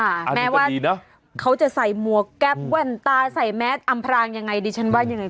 อันนี้ก็ดีนะแม้ว่าเขาจะใส่มัวแก๊บวันตาใส่แมสอำพรางยังไงดิฉันว่ายังไง